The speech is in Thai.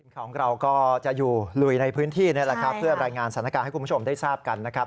ของเราก็จะอยู่ลุยในพื้นที่นี่แหละครับเพื่อรายงานสถานการณ์ให้คุณผู้ชมได้ทราบกันนะครับ